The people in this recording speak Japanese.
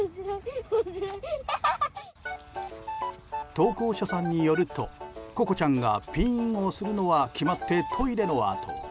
投稿者さんによると瑚子ちゃんがピーン！をするのは決まってトイレのあと。